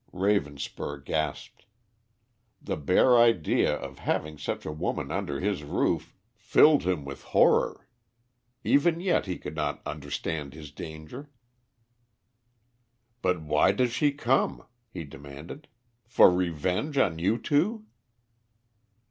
Ravenspur gasped. The bare idea of having such a woman under his roof filled him with horror. Even yet he could not understand his danger. "But why does she come?" he demanded. "For revenge on you two?"